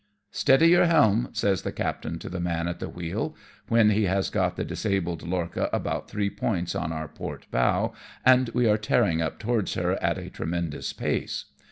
" Steady your helm," says the captain to the man at the wheel, when he has got the disabled lorcha about three points on our port bow, and we are tearing up towards her at a tremendous pace.